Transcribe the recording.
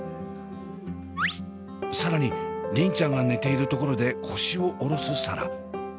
更に梨鈴ちゃんが寝ているところで腰を下ろす紗蘭。